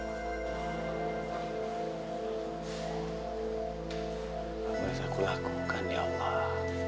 apa yang harus aku lakukan ya allah